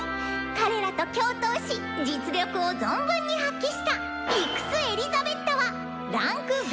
彼らと共闘し実力を存分に発揮したイクス・エリザベッタは位階『２』に昇級とする！」。